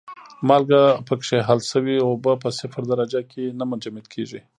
مالګه پکې حل شوې اوبه په صفر درجه کې نه منجمد کیږي.